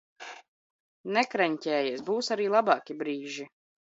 Nekreņķējies! Būs arī labāki brīži!